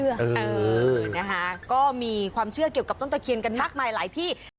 เออนะคะก็มีความเชื่อเกี่ยวกับต้นตะเคียนกันมากมายหลายที่